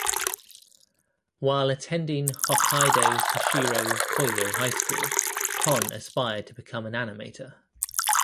While attending Hokkaido Kushiro Koryo High School, Kon aspired to become an animator.